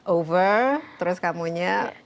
over terus kamunya